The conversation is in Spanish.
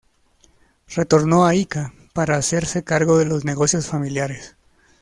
Retornó a Ica para hacerse cargo de los negocios familiares.